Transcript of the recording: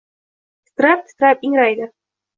Titrab-titrab ingraydi.